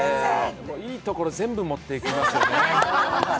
いいところ全部持っていきますよね。